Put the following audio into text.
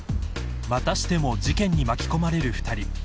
［またしても事件に巻き込まれる２人］